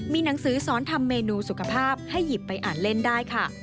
มีหนังสือสอนทำเมนูสุขภาพให้หยิบไปอ่านเล่นได้ค่ะ